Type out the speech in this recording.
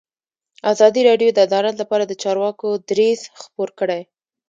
ازادي راډیو د عدالت لپاره د چارواکو دریځ خپور کړی.